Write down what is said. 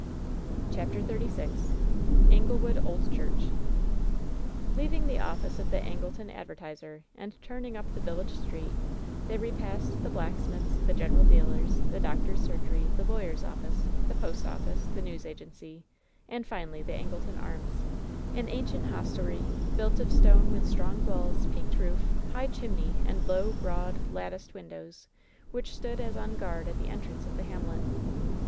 CHAPTEE XXXVI ANOLEWOOD OLD CHUECH Leaving the office of the Angleton "Advertiser, and turning up the village street, they repassed the blacksmith's, the general dealer's, the doctor's surgery, the lawyer's office, the post office, the news agency, and finally the Angleton Arms — an ancient hostelry, built of stone, with strong walls, peaked roof, high chimney and low, broad, latticed windows — ^which stood as on guard at the entrance of the hamlet.